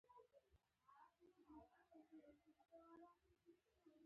احمد د سارې ټیکری ورته دانګې دانګې کړ.